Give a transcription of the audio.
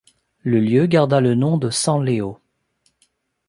Le lieu garda le nom de San Leo.